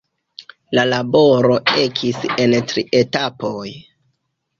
La laboro ekis en tri etapoj.